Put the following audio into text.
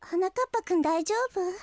ぱくんだいじょうぶ？